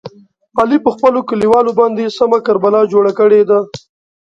علي په خپلو کلیوالو باندې سمه کربلا جوړه کړې ده.